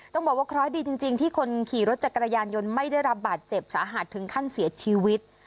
ต้องบอกว่าเคราะห์ดีจริงที่คนขี่รถจักรยานยนต์ไม่ได้รับบาดเจ็บสาหัสถึงขั้นเสียชีวิต